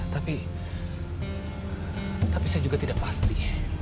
tapi tapi saya juga tidak pasti